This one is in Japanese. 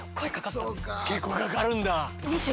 結構かかるんだ！？